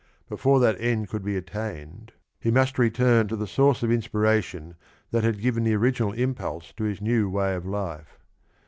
Before that end could be attained he must return to the source of inspiration that had given the original impulse to his new way of life.